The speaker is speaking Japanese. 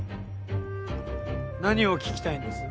何を聞きたいんです？